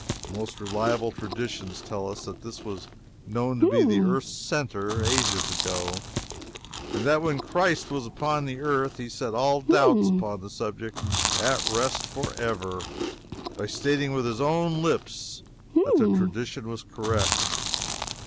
The most reliable traditions tell us that this was known to be the earth's centre, ages ago, and that when Christ was upon earth he set all doubts upon the subject at rest forever, by stating with his own lips that the tradition was correct.